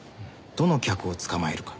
どの客を捕まえるか。